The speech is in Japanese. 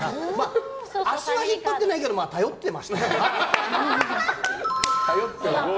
足は引っ張ってないけど頼ってはいましたね。